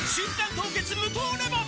凍結無糖レモン」